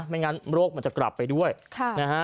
ไม่งั้นโรคมันจะกลับไปด้วยนะฮะ